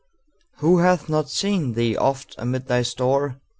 Who hath not seen thee oft amid thy store?